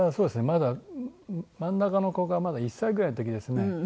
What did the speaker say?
まだ真ん中の子がまだ１歳ぐらいの時ですね。